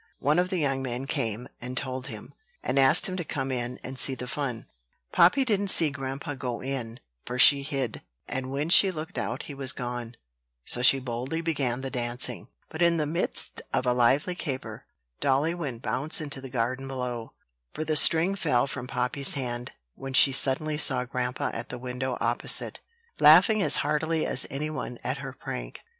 One of the young men came and told him, and asked him to come in and see the fun. Poppy didn't see grandpa go in, for she hid, and when she looked out he was gone: so she boldly began the dancing; but, in the midst of a lively caper, dolly went bounce into the garden below, for the string fell from Poppy's hand when she suddenly saw grandpa at the window opposite, laughing as heartily as any one at her prank.